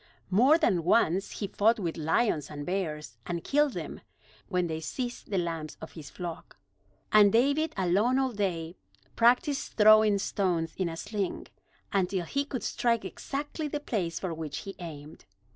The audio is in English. More than once he fought with lions, and bears, and killed them, when they seized the lambs of his flock. And David, alone all day, practiced throwing stones in a sling, until he could strike exactly the place for which he aimed.